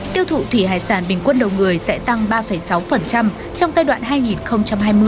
tiêu thụ thủy hải sản bình quân đầu người sẽ tăng ba sáu trong giai đoạn hai nghìn hai mươi hai nghìn ba mươi